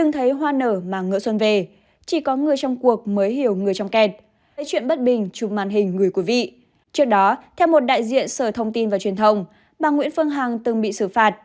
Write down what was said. trước đó theo một đại diện sở thông tin và truyền thông bà nguyễn phương hằng từng bị xử phạt